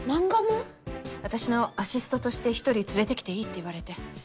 私のアシストとして１人連れて来ていいと言われて。